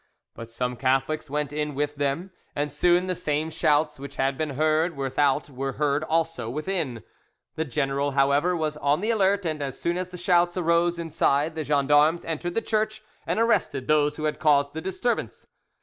But some Catholics went in with them, and soon the same shouts which had been heard without were heard also within. The general, however, was on the alert, and as soon as the shouts arose inside the gens d'armes entered the church and arrested those who had caused the disturbance.